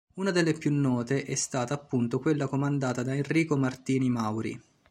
Una delle più note è stata appunto quella comandata da Enrico Martini Mauri.